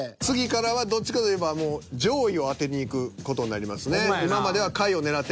次からはどっちかといえばもう上位を当てにいく事になりますね。